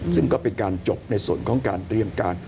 ซึ่งก็เป็นการจบในส่วนของการเตรียมการ